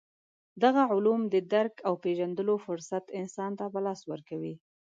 دغه علوم د درک او پېژندلو فرصت انسان ته په لاس ورکوي.